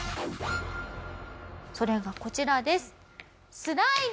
それがこちらです。